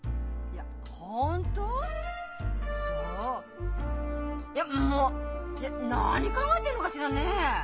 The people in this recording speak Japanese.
いやもう何考えてるのかしらねえ！